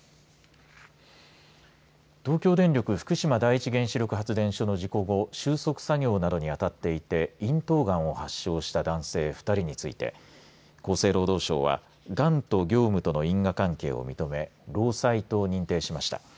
東京電力福島第一原子力発電所の事故後収束作業などにあたっていて咽頭がんを発症した男性２人について厚生労働省はがんと業務との因果関係を認め労災と認定しました。